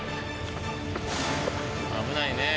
危ないね。